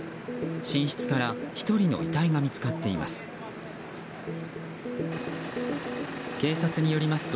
寝室から１人の遺体が見つかっています。